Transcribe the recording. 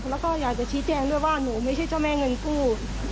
แล้วก็อยากจะชี้แจงด้วยว่าหนูไม่ใช่เจ้าแม่เงินกู้